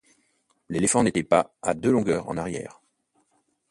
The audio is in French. L’éléphant n’était pas à deux longueurs en arrière.